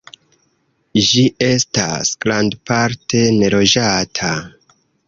Ĝi estas grandparte neloĝata.